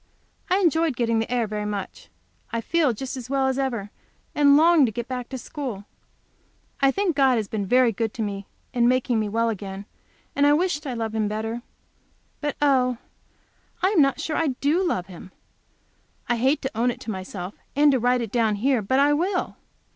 I enjoyed getting the air very much. I feel just well as ever, and long to get back to school. I think God has been very good to me in making me well again, and wish I loved Him better. But, oh, I am not sure I do love Him! I hate to own it to myself, and to write it down here, but I will.